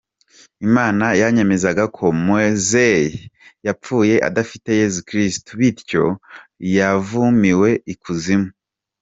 Imana yanyemezaga ko Mowzey yapfuye adafite Yesu Kristo, bityo yavumiwe ikuzimu.